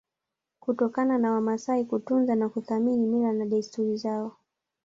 kutokana na Wamasai kutunza na kuthamini mila na desturi zao